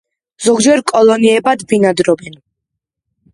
ზოგჯერ კოლონიებად ბინადრობენ.